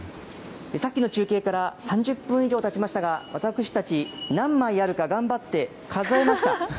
さっきの中継から３０分以上たちましたが、私たち、何枚あるか頑張って数えました。